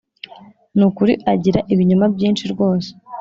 nukuri agira ibinyoma byinshi rwose